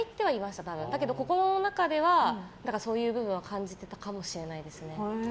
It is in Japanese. ただ、心の中ではそういう部分は感じてたかもしれないですね。